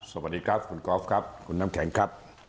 สวัสดีครับคุณกอล์ฟครับคุณน้ำแข็งครับ